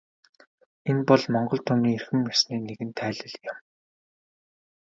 Энэ бол монгол түмний эрхэм ёсны нэгэн тайлал юм.